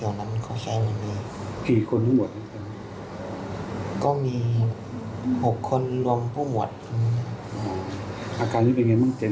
ส่วนสมัครที่ผลทหารพูดที่ถึง